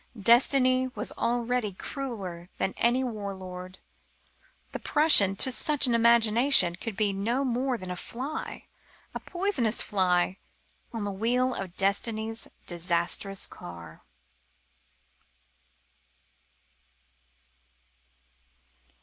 Destiny was already crueller than any war lord. The Prussian, to such an imagination, could be no more than a fly a poisonous fly on the wheel of destiny's disastrous car.